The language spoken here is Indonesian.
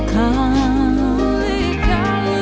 saat dia asuki jiwa